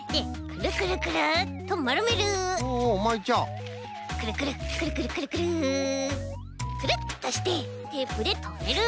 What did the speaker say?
くるくるくるくるくるくるくるっとしてテープでとめる。